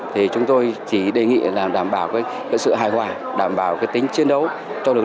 thì chúng tôi chỉ đề nghị là đảm bảo cái sự hài hòa đảm bảo tính chiến đấu cho lực lượng